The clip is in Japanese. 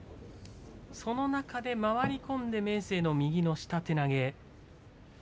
その中で回り込んで明生の右の下手投げ。